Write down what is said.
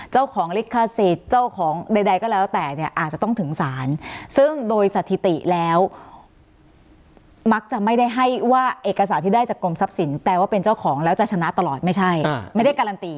เจ้าของลิขสิทธิ์เจ้าของใดก็แล้วแต่เนี่ยอาจจะต้องถึงศาลซึ่งโดยสถิติแล้วมักจะไม่ได้ให้ว่าเอกสารที่ได้จากกรมทรัพย์สินแปลว่าเป็นเจ้าของแล้วจะชนะตลอดไม่ใช่ไม่ได้การันตี